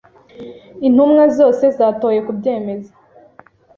Intumwa zose zatoye kubyemeza.